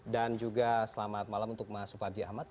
dan juga selamat malam untuk mas suparji ahmad